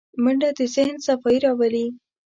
منډه د ذهن صفايي راولي